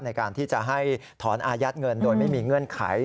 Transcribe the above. ในการที่จะให้ถอนอายัดเงินโดยไม่มีเงื่อนไข